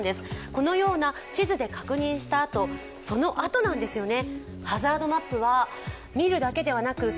このような地図で確認したあと、そのあとなんですよね。